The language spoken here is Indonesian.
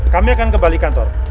kami akan kembali kantor